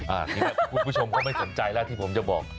อันนี้แหละคุณผู้ชมเขาไม่สนใจแล้วที่ผมจะบอก